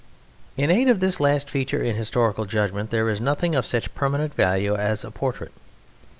In aid of this last feature in historical judgment there is nothing of such permanent value as a portrait.